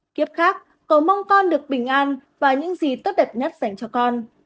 kiếp khác cầu mong con được bình an và những gì tốt đẹp nhất dành cho con